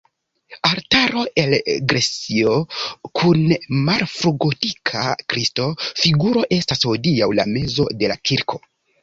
Altaro el grejso kun malfrugotika Kristo-figuro estas hodiaŭ la mezo de la kirko.